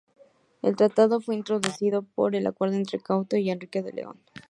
El tratado fue introducido por acuerdo entre Canuto y Enrique el León.